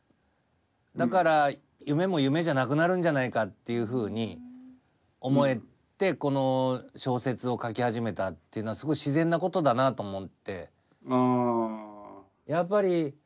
だから夢も夢じゃなくなるんじゃないかっていうふうに思えてこの小説を書き始めたっていうのはすごい自然なことだなあと思って。